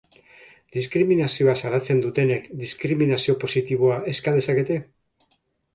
Diskriminazioa salatzen dutenek diskriminazio positiboa eska dezakete?